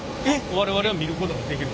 我々は見ることができる？